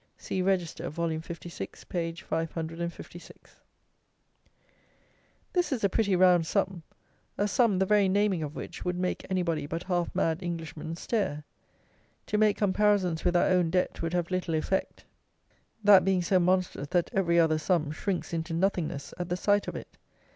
[See Register, vol. 56, p. 556.] "This is a pretty round sum a sum, the very naming of which would make anybody but half mad Englishmen stare. To make comparisons with our own debt would have little effect, that being so monstrous that every other sum shrinks into nothingness at the sight of it.